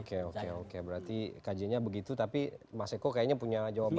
oke oke berarti kajiannya begitu tapi mas eko kayaknya punya jawaban